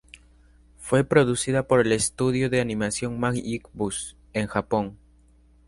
Fue producida por el estudio de animación Magic Bus, en Japón.